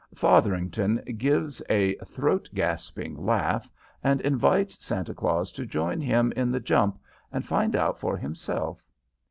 Fotherington gives a "throat gasping laugh" and invites Santa Claus to join him in the jump and find out for himself.